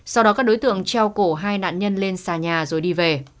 sau đó các đối tượng treo cổ hai nạn nhân lên sàn nhà rồi đi về